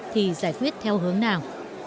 thì giải quyết theo hướng nào